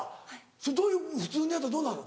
それ普通にやったらどうなんの？